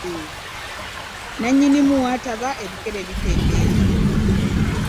Nannyinimu w'ataba ebikere bitemba enju.